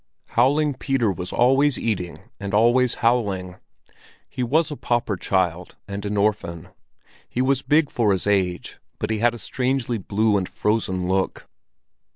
Howling Peter was always eating and always howling. He was a pauper child and an orphan; he was big for his age, but had a strangely blue and frozen look.